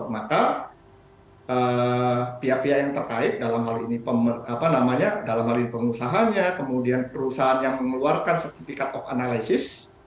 maka pihak pihak yang terkait dalam hal ini dalam hal ini pengusahanya kemudian perusahaan yang mengeluarkan sertifikat of analysis